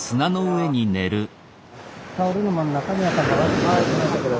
タオルの真ん中に頭を。